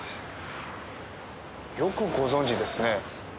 よくご存じですね。